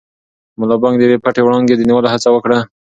ملا بانګ د یوې پټې وړانګې د نیولو هڅه وکړه.